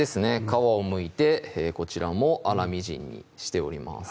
皮をむいてこちらも粗みじんにしております